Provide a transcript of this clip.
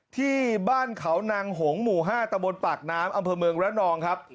ที่บ้านเขานางหงหมู่๕ตะบนปากน้ำอำเภอเมืองระนองครับ